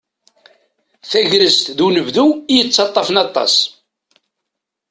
Tagrest d unebdu i yettaṭṭafen aṭas.